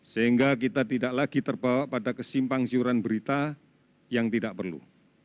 sehingga kita tidak lagi terbawa pada kesimpang siuran berita yang tidak perlu